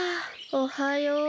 おはよう。